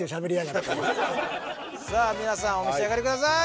さあ皆さんお召し上がりください。